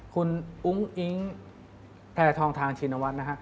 คุณอุ้งอิ๊งแพทองทานชินวัฒน์นะฮะ